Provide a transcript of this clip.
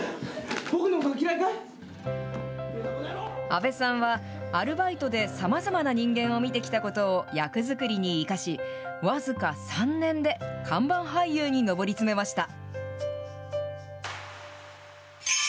阿部さんは、アルバイトでさまざまな人間を見てきたことを役作りに生かし、僅か３年で看板俳優にのぼりつめました。